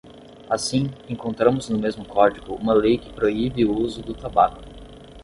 Assim, encontramos no mesmo código uma lei que proíbe o uso do tabaco.